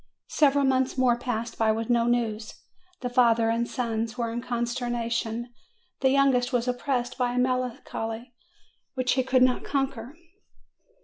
Several months more passed by with no news. The father and sons were in consternation; the youngest was oppressed by a melancholy which he could not conquer.